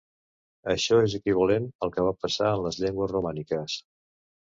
Això és equivalent al que va passar en les llengües romàniques.